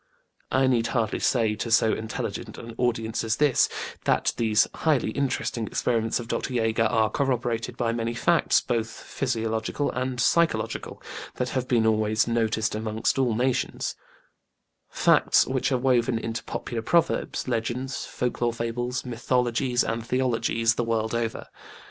I need hardly say to so intelligent an audience as this, that these highly interesting experiments of Dr. JÃĪger are corroborated by many facts, both physiological and psychological, that have been always noticed among all nations; facts which are woven into popular proverbs, legends, folk lore fables, mythologies and theologies, the world over.